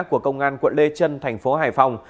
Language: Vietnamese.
của công an quận lê trân thành phố hải phòng